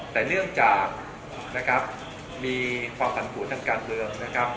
แต่เนื่องจากมีความผันผูนทางการเมือง